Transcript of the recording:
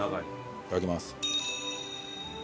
いただきます。